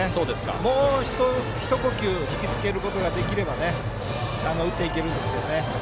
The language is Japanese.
もう一呼吸引き付けることができれば打っていけるんですけどね。